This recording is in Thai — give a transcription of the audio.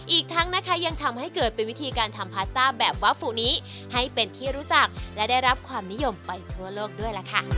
อีกทั้งยังทำให้เกิดเป็นวิธีการทำพาสตาแบบวาฟูรื้อนี้ให้เป็นที่รู้จักและได้ได้รับความนิยมทั้งทั่วโลกด้วย